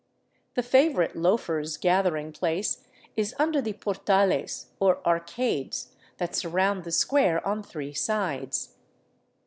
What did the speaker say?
The favorite loafers' gathering place is under the portales, or arcades," that surround the square on three sides.